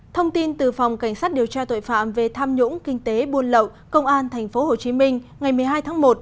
thông tin từ phòng cảnh sát điều tra tội phạm về tham nhũng kinh tế buôn lậu công an tp hcm ngày một mươi hai tháng một